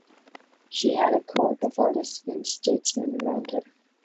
She had a court of artists and statesmen around her.